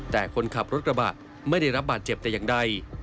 แต่คนขับรถกระบะไม่ได้รับบาดเจ็บแต่อย่างใด